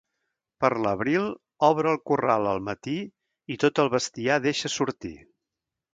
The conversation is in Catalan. Per l'abril obre el corral al matí i tot el bestiar deixa sortir.